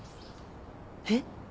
えっ？